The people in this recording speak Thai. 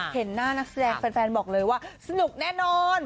เห็นหน้านักแสดงแฟนบอกเลยว่าสนุกแน่นอน